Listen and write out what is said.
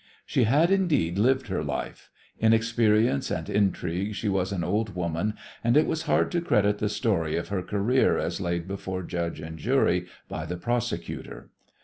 She had, indeed, lived her life. In experience and intrigue she was an old woman, and it was hard to credit the story of her career as laid before judge and jury by the prosecutor.